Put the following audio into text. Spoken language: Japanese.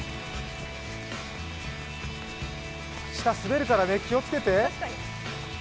下、滑るからね気をつけて！